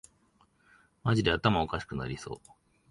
マジで頭おかしくなりそう